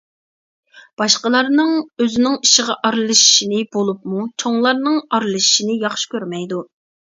باشقىلارنىڭ ئۆزىنىڭ ئىشىغا ئارىلىشىشىنى، بولۇپمۇ چوڭلارنىڭ ئارىلىشىشىنى ياخشى كۆرمەيدۇ.